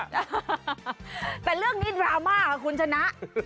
แต่เรื่องนี้ดราม่าค่ะคุณชนะ